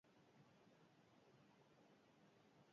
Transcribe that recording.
Pentsatu dut, baina ez dakit egingo dudan.